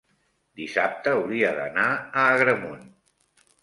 dissabte hauria d'anar a Agramunt.